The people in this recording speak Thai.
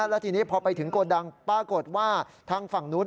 แล้วทีนี้พอไปถึงโกดังปรากฏว่าทางฝั่งนู้น